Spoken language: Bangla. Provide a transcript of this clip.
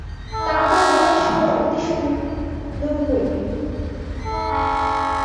তারপর গলার স্বর অতি সুন্দর হইবে।